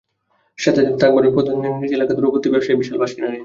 সঙ্গে থাকুনবাঁশলাফ পদ্ধতিনিজ নিজ এলাকার দূরত্ব অনুযায়ী বিশাল বাঁশ কিনে নিন।